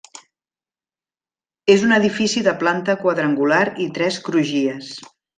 És un edifici de planta quadrangular i tres crugies.